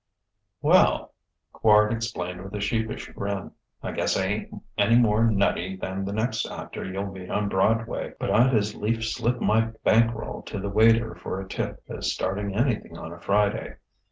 "Well," Quard explained with a sheepish grin, "I guess I ain't any more nutty than the next actor you'll meet on Broadway; but I'd as lief slip my bank roll to the waiter for a tip as start anything on a Friday.